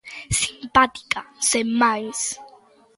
Simpática, sen máis...